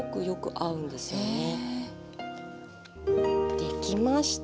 できました。